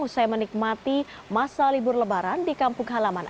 usai menikmati masa libur lebaran di kampung halaman